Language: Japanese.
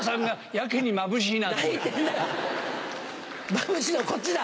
まぶしいのこっちだ！